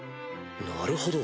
なるほど。